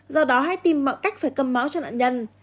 do đó hay tìm mọi cách phải cầm máu cho nạn nhân